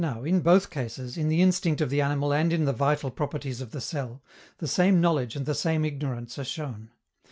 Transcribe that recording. Now, in both cases, in the instinct of the animal and in the vital properties of the cell, the same knowledge and the same ignorance are shown.